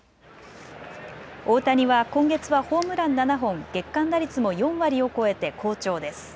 大谷は今月はホームラン７本、月間打率も４割を超えて好調です。